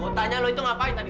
kau tanya lo itu ngapain tadi